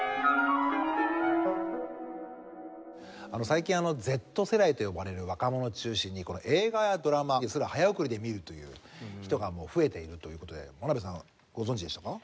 最近Ｚ世代と呼ばれる若者を中心に映画やドラマを早送りで見るという人が増えているという事で眞鍋さんご存じでしたか？